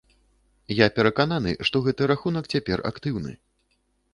Я перакананы, што гэты рахунак цяпер актыўны.